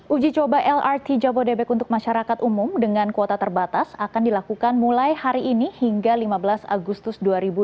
uji coba lrt jabodebek untuk masyarakat umum dengan kuota terbatas akan dilakukan mulai hari ini hingga lima belas agustus dua ribu dua puluh